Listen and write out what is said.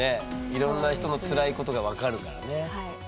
いろんな人の辛いことが分かるからね。